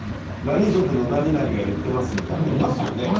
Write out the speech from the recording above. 「何族の何々が言ってます」みたいないますよね？